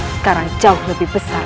sekarang jauh lebih besar